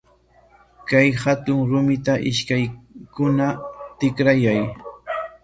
Kay hatun rumita ishkaykikuna tikrayay.